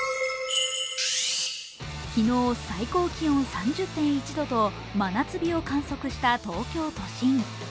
昨日、最高気温３０．１度と真夏日を観測した東京都心。